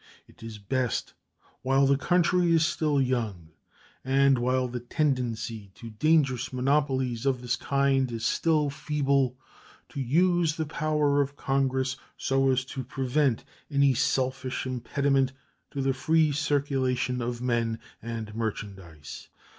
It is best, while the country is still young and while the tendency to dangerous monopolies of this kind is still feeble, to use the power of Congress so as to prevent any selfish impediment to the free circulation of men and merchandise.